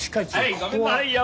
はいごめんなさいよ。